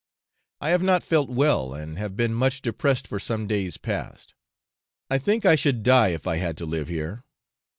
I have not felt well, and have been much depressed for some days past. I think I should die if I had to live here.